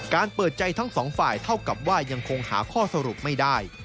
เปิดใจทั้งสองฝ่ายเท่ากับว่ายังคงหาข้อสรุปไม่ได้